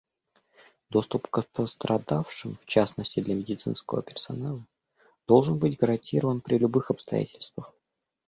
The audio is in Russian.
Доступ к пострадавшим, в частности для медицинского персонала, должен быть гарантирован при любых обстоятельствах.